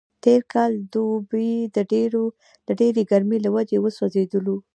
تېر کال دوبی د ډېرې ګرمۍ له وجې وسوځېدلو.